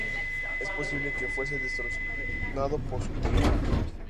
Es posible que fuese destronado por su tío.